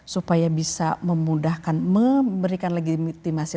supaya bisa memudahkan memberikan legitimasi